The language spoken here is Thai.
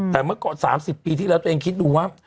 แต่เมื่อก่อน๓๐ปีที่แล้วตัวเองคิดดูว่า